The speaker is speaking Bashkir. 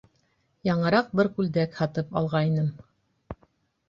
Яңыраҡ бер күлдәк һатып алғайным.